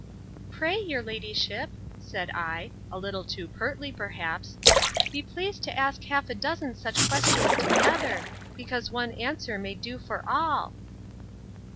Pray, your ladyship, said I, a little too pertly, perhaps, be pleased to ask half a dozen such questions together; because one answer may do for all!